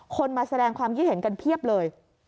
มาแสดงความคิดเห็นกันเพียบเลย